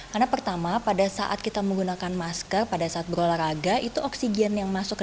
karena pertama pada saat kita menggunakan masker pada saat berolahraga itu oksigen yang masuk ke